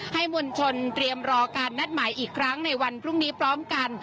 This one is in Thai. มวลชนเตรียมรอการนัดหมายอีกครั้งในวันพรุ่งนี้พร้อมกัน